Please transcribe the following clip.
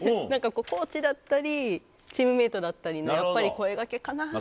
なんかコーチだったり、チームメートだったりのやっぱり声がけかな。